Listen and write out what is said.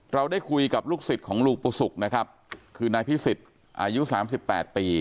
เราได้คุยกับลูกศิษย์ของลุงปุสุกนะครับคือนายพิสิทธิ์อายุสามสิบแปดปี